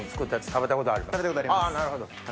食べたことあります。